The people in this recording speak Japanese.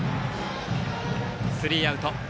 スリーアウト。